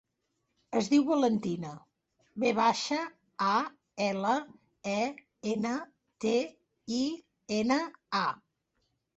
Es diu Valentina: ve baixa, a, ela, e, ena, te, i, ena, a.